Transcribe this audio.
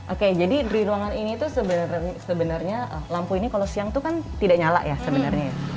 oke jadi di ruangan ini tuh sebenarnya lampu ini kalau siang tuh kan tidak nyala ya sebenarnya ya